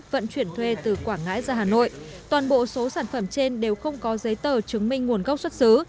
vận chuyển thuê từ quảng ngãi ra hà nội toàn bộ số sản phẩm trên đều không có giấy tờ chứng minh nguồn gốc xuất xứ